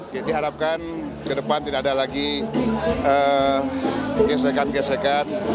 jadi harapkan ke depan tidak ada lagi gesekan gesekan